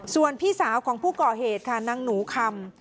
ส่วนพี่สาวของผู้ก่อเหตุค่ะนางหนูคำ